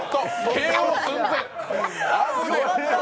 ＫＯ寸前！